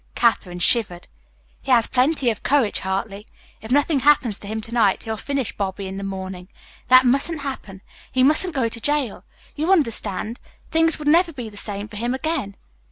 Katherine shivered. "He has plenty of courage, Hartley! If nothing happens to him to night he'll finish Bobby in the morning. That mustn't happen. He mustn't go to jail. You understand. Things would never be the same for him again."